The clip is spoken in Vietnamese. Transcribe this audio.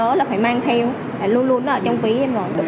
sổ là phải mang theo luôn luôn nó ở trong ví em rồi